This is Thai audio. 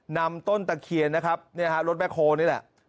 นำต้นตะเคียนนะครับรถแม่โคลนี่แหละ